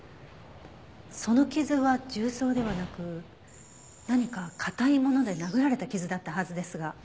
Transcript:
その傷は銃創ではなく何か硬いもので殴られた傷だったはずですが。